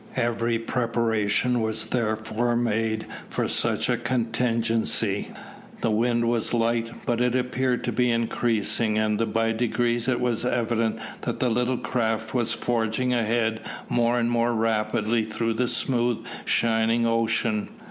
Every preparation was therefore made for such a contingency. The wind was light, but it appeared to be increasing, and by degrees it was evident that the little craft was forging ahead more and more rapidly through the smooth shining ocean.